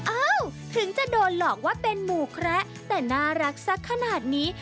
อ้าวถึงจะโดนหลอกว่าเป็นหมูแคระแต่น่ารักสักขนาดนี้